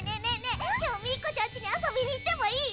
きょうミーコちゃんにあそびにいってもいい？